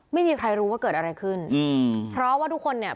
ไม่มีใครรู้ว่าเกิดอะไรขึ้นอืมเพราะว่าทุกคนเนี่ย